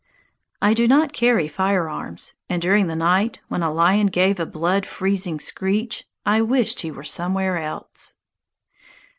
I do not carry firearms, and during the night, when a lion gave a blood freezing screech, I wished he were somewhere else.